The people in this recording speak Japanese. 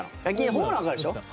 ホームランはわかるでしょ。